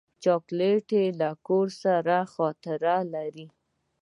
چاکلېټ له کور سره خاطره لري.